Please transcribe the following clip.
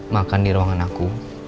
makan di ruangan aku